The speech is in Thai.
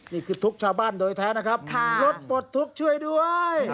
นี่คือทุกข์ชาวบ้านโดยแท้นะครับรถปลดทุกข์ช่วยด้วย